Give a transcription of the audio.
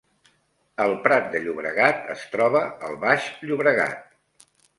El Prat de Llobregat es troba al Baix Llobregat